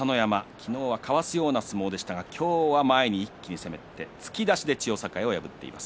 昨日はかわすような相撲でしたが今日は前に一気に攻めて突き出しで千代栄を破っています。